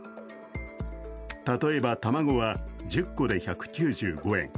例えば、卵は１０個で１９５円。